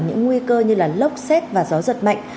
những nguy cơ như lốc xét và gió giật mạnh